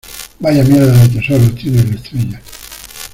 vaya mierda de tesoros tiene el Estrella.